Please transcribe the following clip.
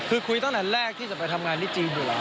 คือคุยตั้งแต่แรกที่จะไปทำงานที่จีนอยู่แล้ว